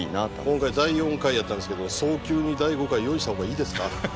今回第４回やったんですけど早急に第５回用意した方がいいですか？